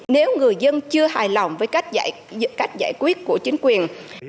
nếu người dân chưa hài lòng với cách giải quyết của chính quyền